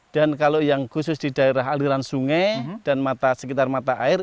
dan kalau yang khusus di daerah aliran sungai dan sekitar mata air